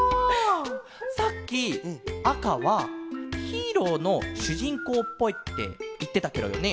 さっき「あかはヒーローのしゅじんこうっぽい」っていってたケロよね？